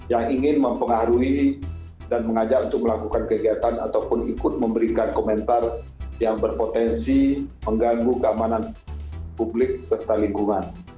yang ingin mempengaruhi dan mengajak untuk melakukan kegiatan ataupun ikut memberikan komentar yang berpotensi mengganggu keamanan publik serta lingkungan